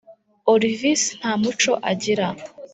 olvis nta muco agira